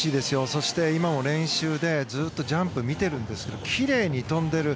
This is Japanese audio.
そして、今も練習でずっとジャンプを見ているんですけど奇麗に跳んでいる。